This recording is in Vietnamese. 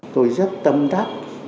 tôi rất tâm đắc